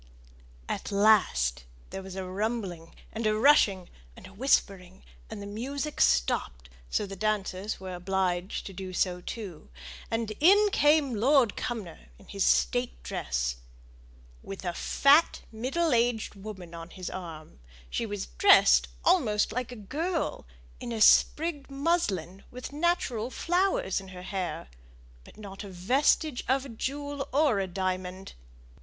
At last, there was a rumbling, and a rushing, and a whispering, and the music stopped; so the dancers were obliged to do so too; and in came Lord Cumnor in his state dress, with a fat, middle aged woman on his arm; she was dressed almost like a girl in a sprigged muslin, with natural flowers in her hair, but not a vestige of a jewel or a diamond.